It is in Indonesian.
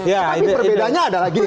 tapi perbedaannya adalah gini